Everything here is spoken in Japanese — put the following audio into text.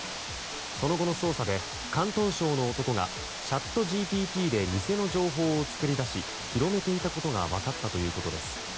その後の捜査で広東省の男がチャットＧＰＴで偽の情報を作り出し広めていたことが分かったということです。